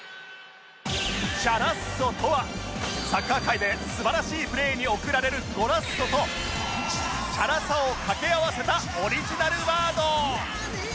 「チャラッソ」とはサッカー界で素晴らしいプレーに送られる「ゴラッソ」と「チャラさ」を掛け合わせたオリジナルワード